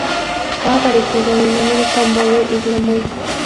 Ha aparecido en American Vogue, y Glamour.